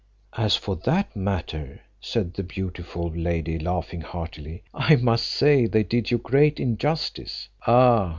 "As for that matter," said the beautiful lady laughing heartily, "I must say they did you great injustice." "Ah!"